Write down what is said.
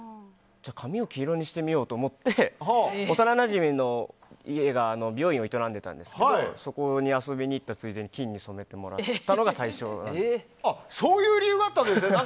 じゃあ、髪を黄色にしてみようと思って幼なじみの家が美容院を営んでたんですけどそこに遊びに行ったついでに金に染めてもらったのがそういう理由があったんですね。